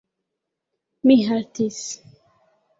Mi haltis.